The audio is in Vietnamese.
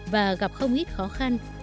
và gặp không ít khó khăn